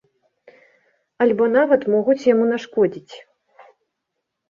Альбо нават могуць яму нашкодзіць.